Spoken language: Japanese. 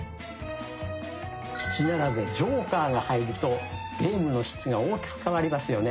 七並べジョーカーが入るとゲームの質が大きく変わりますよね。